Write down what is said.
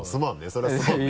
それはすまんね。